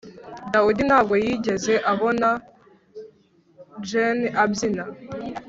David ntabwo yigeze abona Jane abyina